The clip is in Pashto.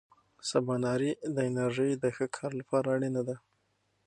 سباناري د انرژۍ د ښه کار لپاره اړینه ده.